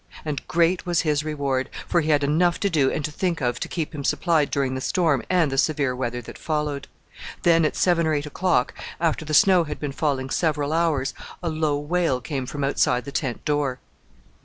And great was his reward! for he had enough to do and to think of to keep him supplied during the storm and the severe weather that followed. Then, at seven or eight o'clock, after the snow had been falling several hours, a low wail came from outside the tent door.